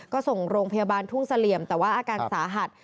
ก็ส่งโรงพยาบาลทุ่งเสลี่ยมแต่ว่าอาการสาหัส